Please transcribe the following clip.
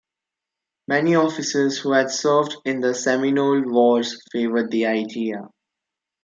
Many officers who had served in the Seminole Wars favored the idea.